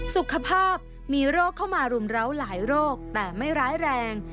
สุขภาพมีโรคเข้ามารุมร้าวหลายโรคแต่ไม่ร้ายแรง